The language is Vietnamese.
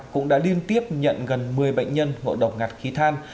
cũng đã liên tiếp nhận gần một mươi bệnh nhân ngộ độc ngạt khí than